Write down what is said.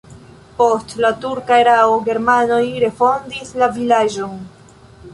Post la turka erao germanoj refondis la vilaĝon.